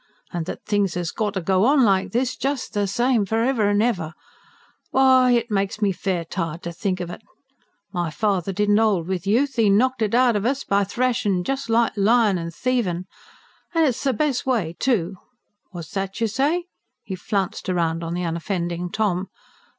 And that things 'as got to go on like this, just the same, for ever and ever why, it makes me fair tired to think of it. My father didn't 'old with youth: 'e knocked it out of us by thrashin', just like lyin' and thievin'. And it's the best way, too. Wot's that you say?" he flounced round on the unoffending Tom.